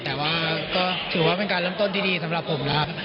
แต่ว่าก็ถือว่าเป็นการเริ่มต้นที่ดีสำหรับผมนะครับ